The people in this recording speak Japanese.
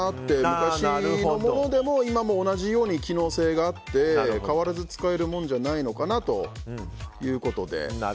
昔のものでも今も同じように機能性があって変わらず使うものじゃないのかなということで。